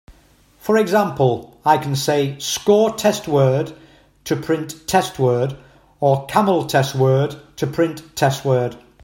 For example, I can say "score test word" to print "test word", or "camel test word" to print "testWord".